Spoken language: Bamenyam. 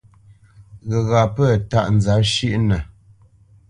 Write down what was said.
Ghəgha pə̂ tâʼ nzǎp shʉʼnə.